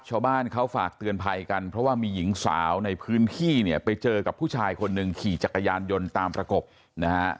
ชาวบ้านเขาฝากเตือนภัยกันเพราะว่ามีหญิงสาวในพื้นที่เนี่ยไปเจอกับผู้ชายคนหนึ่งขี่จักรยานยนต์ตามประกบนะฮะ